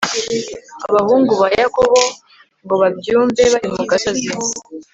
Abahungu ba Yakobo ngo babyumve bari mu gasozi